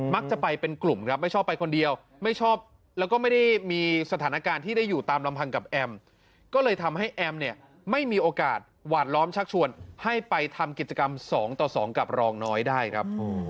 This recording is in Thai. จะไปเป็นกลุ่มครับไม่ชอบไปคนเดียวไม่ชอบแล้วก็ไม่ได้มีสถานการณ์ที่ได้อยู่ตามลำพังกับแอมก็เลยทำให้แอมเนี่ยไม่มีโอกาสหวาดล้อมชักชวนให้ไปทำกิจกรรม๒ต่อ๒กับรองน้อยได้ครับ